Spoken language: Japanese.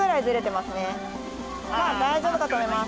まあ、大丈夫かと思います。